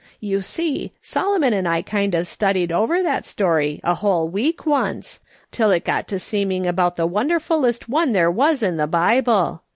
You see, Solomon and I kind of studied over that story for a whole week, once, till it got to seeming about the wonderfuUest one there was in the Bible.